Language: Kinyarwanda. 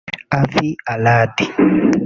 Avi Arad